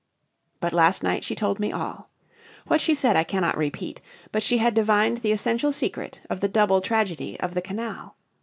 But last night she told me all. What she said I cannot repeat. But she had divined the essential secret of the double tragedy of the canal.